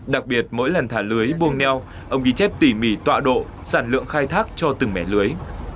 đặc biệt mỗi lần thả lưới buông neo ông ghi chép tỉ mỉ tọa độ sản lượng khai thác cho từng mẻ lưới